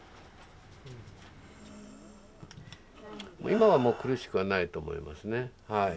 今はもう苦しくはないと思いますねはい。